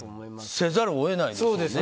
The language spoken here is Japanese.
せざるを得ないですよね。